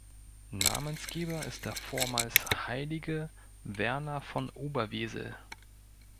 Namensgeber ist der vormals „heilige“ Werner von Oberwesel.